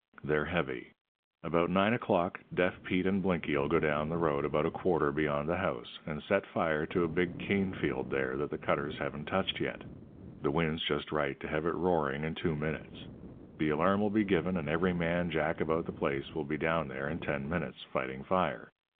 They're heavy. About nine o'clock Deaf Pete and Blinky'll go down the road about a quarter beyond the house, and set fire to a big cane field there that the cutters haven't touched yet. The wind's just right to have it roaring in two minutes. The alarm'll be given, and every man Jack about the place will be down there in ten minutes, fighting fire.